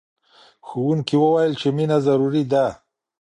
ښوونکي وویل چې مینه ضروري ده.